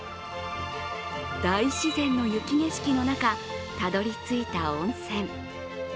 大自然の雪景色の中、たどり着いた温泉。